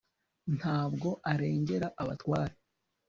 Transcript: nta bwo arengera abatware